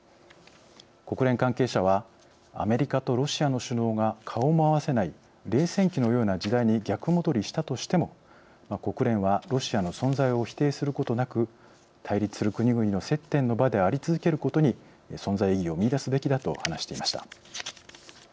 国連関係者はアメリカとロシアの首脳が顔も合わせない冷戦期のような時代に逆戻りしたとしても国連はロシアの存在を否定することなく対立する国々の接点の場であり続けることに存在意義を見いだすべきだと話していました。